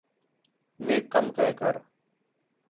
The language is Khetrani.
نیک کم کَے کر